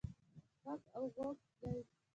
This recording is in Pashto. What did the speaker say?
ږغ او ږوغ دی.